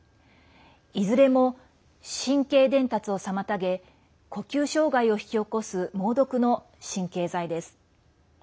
いずれも神経伝達を妨げ呼吸障害を引き起こす猛毒の神経剤です。